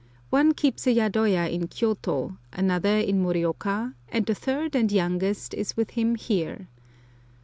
One keeps a yadoya in Kiyôto, another in Morioka, and the third and youngest is with him here.